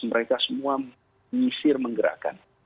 mereka semua menyisir menggerakkan